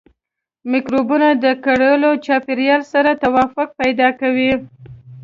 مکروبونه د کرلو چاپیریال سره توافق پیدا کوي.